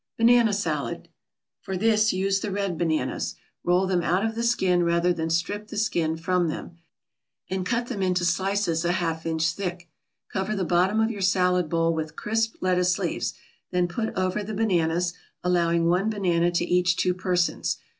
BANANA SALAD For this use the red bananas. Roll them out of the skin rather than strip the skin from them, and cut them into slices a half inch thick. Cover the bottom of your salad bowl with crisp lettuce leaves, then put over the bananas, allowing one banana to each two persons.